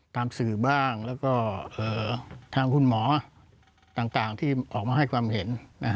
สื่อบ้างแล้วก็ทางคุณหมอต่างที่ออกมาให้ความเห็น